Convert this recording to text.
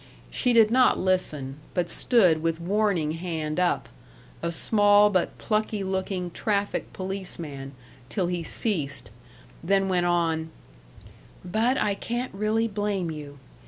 She did not listen, but stood with warning hand up, a small but plucky looking traffic policeman, till he ceased, then went on: "But I can't really blame you.